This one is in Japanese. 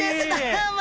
どうも！